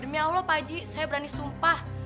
demi allah pak aji saya berani sumpah